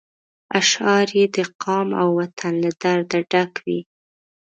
اشعار یې د قام او وطن له درده ډک وي.